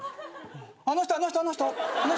あの人あの人あの人